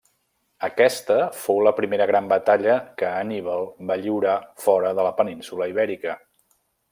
Aquesta fou la primera gran batalla que Hanníbal va lliurar fora de la península Ibèrica.